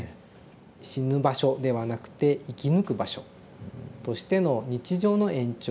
死ぬ場所ではなくて生き抜く場所としての日常の延長。